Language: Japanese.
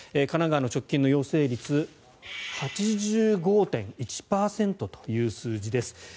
神奈川の直近の陽性率８５．１％という数字です。